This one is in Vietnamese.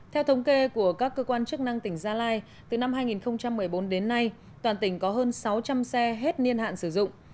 theo thống kê của các cơ quan chức năng tỉnh gia lai từ năm hai nghìn một mươi bốn đến nay toàn tỉnh có hơn sáu trăm linh xe hết niên hạn sử dụng